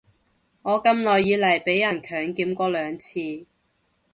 我咁耐以來被人強檢過兩次